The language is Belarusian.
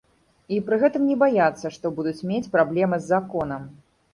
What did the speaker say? І пры гэтым не баяцца, што будуць мець праблемы з законам.